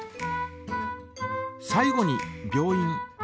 最後に病院。